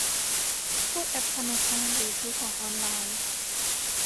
พวกแอปธนาคารหรือซื้อของออนไลน์